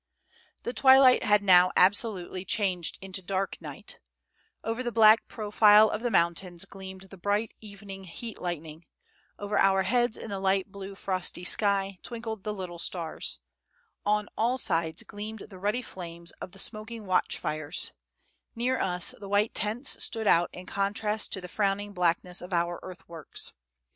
The twilight had now absolutely changed into dark night; over the black profile of the mountains gleamed the bright evening heat lightning; over our heads in the light blue frosty sky twinkled the little stars; on all sides gleamed the ruddy flames of the smoking watch fires; near us, the white tents stood out in contrast to the frowning blackness of our earth works.